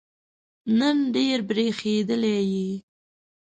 نن ډېر برېښېدلی یې